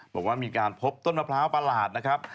บอกว่ามีการพบต้นมะพร้าวประหลาดนะครับ